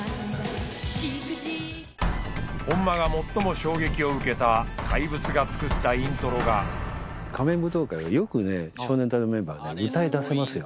本間が最も衝撃を受けた怪物が作ったイントロが『仮面舞踏会』はよく少年隊のメンバー歌いだせますよ